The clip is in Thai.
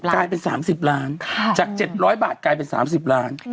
กลายเป็น๓๐ล้านจาก๗๐๐บาทกลายเป็น๓๐ล้าน